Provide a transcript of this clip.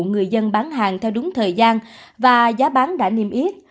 người dân bán hàng theo đúng thời gian và giá bán đã niêm yết